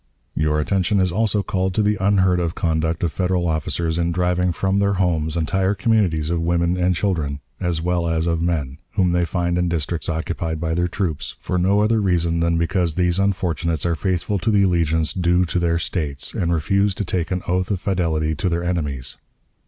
"Your attention is also called to the unheard of conduct of Federal officers in driving from their homes entire communities of women and children, as well as of men, whom they find in districts occupied by their troops, for no other reason than because these unfortunates are faithful to the allegiance due to their States, and refuse to take an oath of fidelity to their enemies.